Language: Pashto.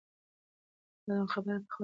دا ډول خبره پخوا چا نه وه اورېدلې.